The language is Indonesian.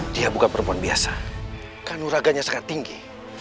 dia bukan perempuan biasa kanuraganya sangat tinggi